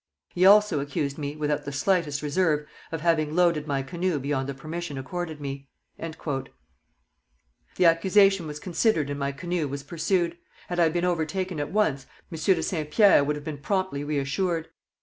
He also accused me, without the slightest reserve, of having loaded my canoe beyond the permission accorded me. The accusation was considered and my canoe was pursued; had I been overtaken at once, Monsieur de Saint Pierre would have been promptly reassured.